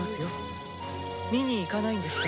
見に行かないんですか？